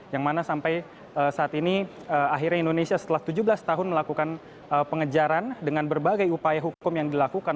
dan saat ini akhirnya indonesia setelah tujuh belas tahun melakukan pengejaran dengan berbagai upaya hukum yang dilakukan